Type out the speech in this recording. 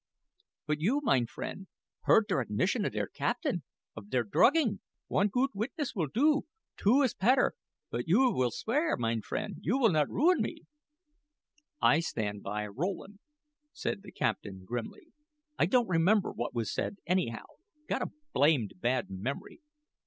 "But you, mine friend heard der admission of der captain of der drugging. One goot witness will do: two is petter. But you will swear, mine friend, you will not ruin me." "I stand by Rowland," said the captain, grimly. "I don't remember what was said, anyhow; got a blamed bad memory.